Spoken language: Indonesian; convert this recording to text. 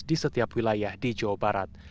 di setiap wilayah di jawa barat